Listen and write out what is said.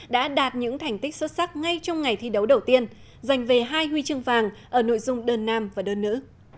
đã đạt những thành tích xuất sắc ngay trong ngày thi đấu đầu tiên dành về hai huy chương vàng ở nội dung đơn nam và đơn nữ